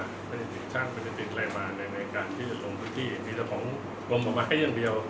ในการที่จะลงพื้นที่มีแต่ของกลมออกมาแค่อย่างเดียว